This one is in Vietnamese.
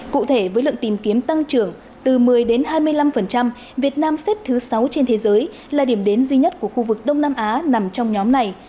cụ thể với lượng tìm kiếm tăng trưởng từ một mươi đến hai mươi năm việt nam xếp thứ sáu trên thế giới là điểm đến duy nhất của khu vực đông nam á nằm trong nhóm này